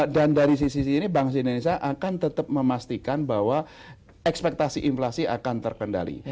dan dari sisi ini bank indonesia akan tetap memastikan bahwa ekspektasi inflasi akan terkendali